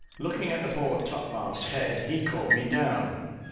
Looking at the fore topmast head, he called me down.